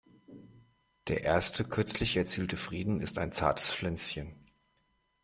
Der erst kürzlich erzielte Frieden ist ein zartes Pflänzchen.